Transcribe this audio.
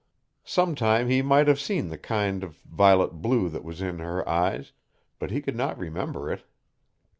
Some time he might have seen the kind of violet blue that was in her eyes, but he could not remember it.